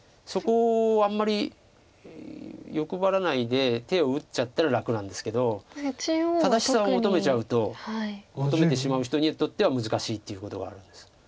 そこをあんまり欲張らないで手を打っちゃったら楽なんですけど正しさを求めちゃうと求めてしまう人にとっては難しいっていうことがあるんです。